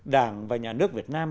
đảng và nhà nước việt nam